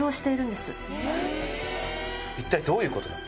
一体どういうことだ？